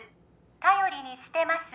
頼りにしてます